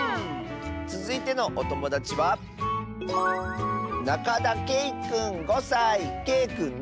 つづいてのおともだちはけいくんの。